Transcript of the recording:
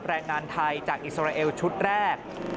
แรงงานไทยจากอิสราเอลชุดแรก